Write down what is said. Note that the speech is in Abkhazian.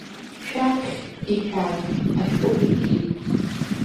Шәаԥхь, — иҳәан, ашәҟәы диркит.